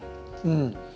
うん。